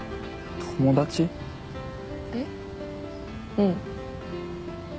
うん。